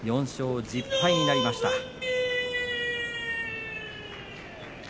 ４勝１０敗になりました。